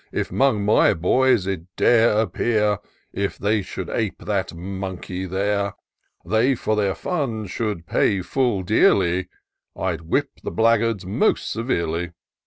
If 'mong my boys it dare appear ; If they should ape that monkey there ; They for their fun should pay fiill dearly : I'd whip the blackguards most severely.